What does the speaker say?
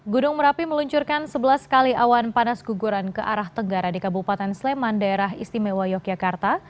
gunung merapi meluncurkan sebelas kali awan panas guguran ke arah tenggara di kabupaten sleman daerah istimewa yogyakarta